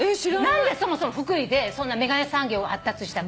何でそもそも福井でそんな眼鏡産業が発達したか。